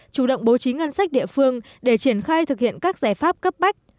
chủ động bố trí ngân sách địa phương để triển khai thực hiện các giải pháp cấp bách